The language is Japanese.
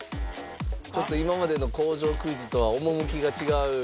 ちょっと今までの工場クイズとは趣が違う。